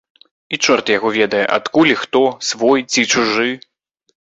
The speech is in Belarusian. І чорт яго ведае, адкуль і хто, свой ці чужы.